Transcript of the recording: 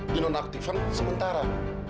di non aktifan sementara